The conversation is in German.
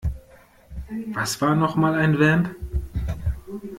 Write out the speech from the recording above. Was war nochmal ein Vamp?